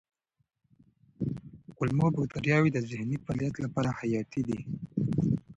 کولمو بکتریاوې د ذهني فعالیت لپاره حیاتي دي.